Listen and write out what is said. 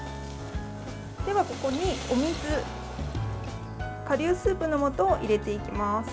では、ここにお水顆粒スープの素を入れていきます。